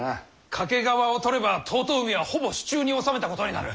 懸川を取れば遠江はほぼ手中に収めたことになる。